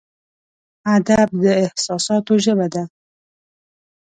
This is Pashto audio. ادب د احساساتو ژبه ده.